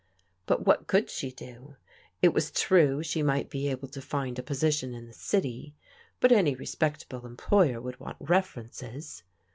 But what could she do? It was true she might be able to find a position in the city, but any respectable employer would want references.